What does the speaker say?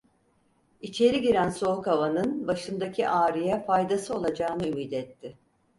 İçeri giren soğuk havanın başındaki ağrıya faydası olacağını ümit etti.